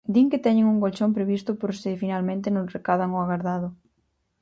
Din que teñen un colchón previsto por se finalmente non recadan o agardado.